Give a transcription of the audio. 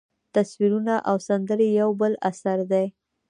تصویرونه او سندرې یو بل اثر دی.